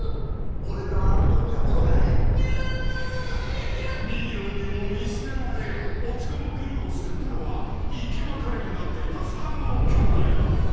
「俺らは悪党には戻らへん」［ミニオンにも見捨てられ落ち込むグルーを救ったのは生き別れになっていた双子の］